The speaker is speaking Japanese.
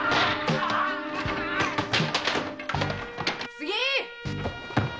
次！